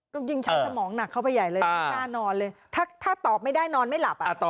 ก็ยิ่งใช้สมองหนักเข้าไปใหญ่เลยไม่กล้านอนเลยถ้าตอบไม่ได้นอนไม่หลับอ่ะ